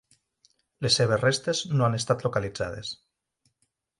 Les seves restes no han estat localitzades.